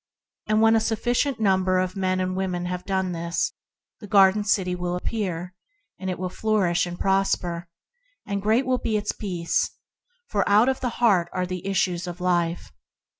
When a sufficient number of men and women have done this, the ideal city will appear, and flourish, and prosper, and great will be its peace, for out of the heart are the issues of life.